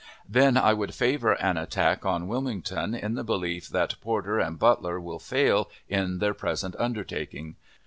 Then I would favor an attack on Wilmington, in the belief that Porter and Butler will fail in their present undertaking.